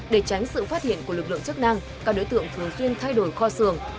để tránh sự phát hiện của lực lượng chức năng các đối tượng thường xuyên thay đổi kho sường